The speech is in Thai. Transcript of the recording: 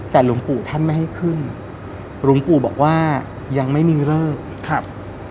แต่หลวงปู่ท่านไม่ให้ขึ้นหลวงปู่บอกว่ายังไม่มีเลิกครับ